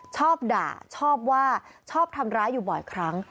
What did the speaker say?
ชอบด่าชอบว่าชอบทำร้ายอยู่บ่อยครั้ง